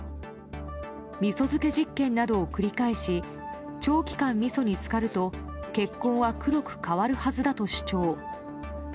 みそ漬け実験などを繰り返し長期間、みそに漬かると血痕は黒く変わるはずだと主張。